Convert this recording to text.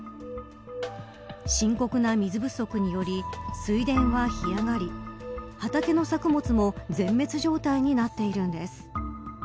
深刻な水不足により水田は干上がり畑の作物も全滅状態になっているんです。